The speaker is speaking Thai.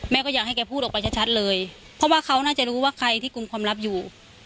ก็อยากให้แกพูดออกไปชัดเลยเพราะว่าเขาน่าจะรู้ว่าใครที่กลุ่มความลับอยู่